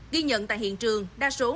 ghi nhận tại hiện trường đa số người dân